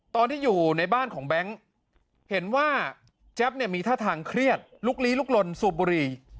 ตอนที่อยู่ในบ้านของแบงค์เห็นว่าแจ๊บเนี่ยมีท่าทางเครียดลุกลี้ลุกลนสูบบุหรี่